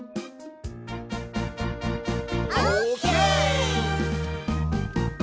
オーケー！